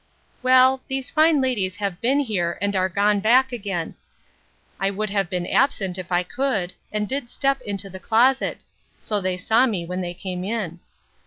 Well, these fine ladies have been here, and are gone back again. I would have been absent, if I could, and did step into the closet: so they saw me when they came in.